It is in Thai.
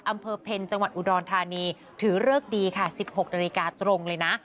อำเภอเพ็ญจังหวัดอุดรธานีถือเลิกดีค่ะ๑๖นาฬิกาตรงเลยนะ